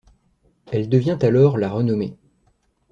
Elle devient alors la Renommée.